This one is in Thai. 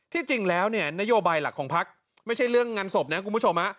จริงแล้วเนี่ยนโยบายหลักของพักไม่ใช่เรื่องงานศพนะคุณผู้ชม